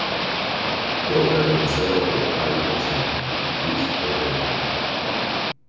Protagonizada por Al Pacino y Chris O'Donnell.